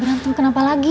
berantem kenapa lagi